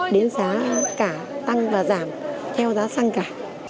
đến giá cả tăng và giảm theo giá xăng cả